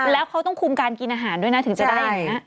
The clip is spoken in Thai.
แล้วเขาต้องคุมการกินอาหารด้วยนะถึงจะได้